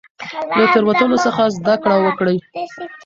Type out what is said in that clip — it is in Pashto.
له تیروتنو څخه زده کړه وکړئ.